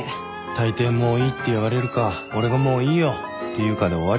たいてい「もういい」って言われるか俺が「もういいよ」って言うかで終わりですよ。